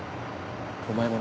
お前もな。